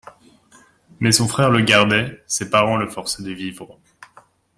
Mais son frère le gardait, ses parents le forçaient de vivre.